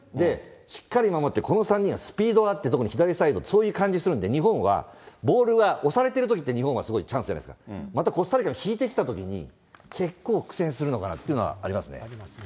しっかり守ってこの３人がスピードがあって、特に左サイド、そういう感じするんで、日本はボールが、押されてるときって、日本はすごいチャンスじゃないですか、またコスタリカみたいに引いてきたときに、結構、苦戦するのかなっていうのはありますね。